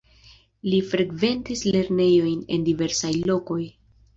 Li frekventis lernejojn en diversaj lokoj.